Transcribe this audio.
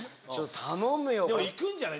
頼むよ。